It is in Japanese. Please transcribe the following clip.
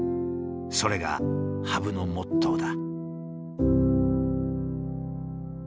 それが羽生のモットーだ。